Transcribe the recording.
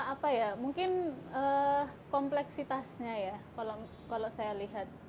apa ya mungkin kompleksitasnya ya kalau saya lihat